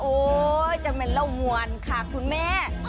โอ๊ยจะเป็นเร่งมวลค่ะคุณแม่